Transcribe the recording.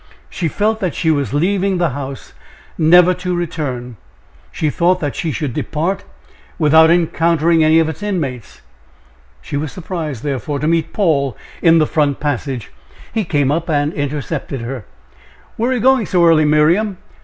She felt that she was leaving the house never to return; she thought that she should depart without encountering any of its inmates. She was surprised, therefore, to meet Paul in the front passage. He came up and intercepted her: "Where are you going so early, Miriam?"